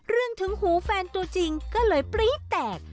ถึงหูแฟนตัวจริงก็เลยปรี๊ดแตก